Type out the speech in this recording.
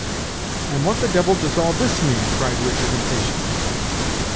"And what the devil does all this mean?" cried Richard, impatiently.